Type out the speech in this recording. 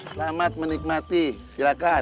selamat menikmati silahkan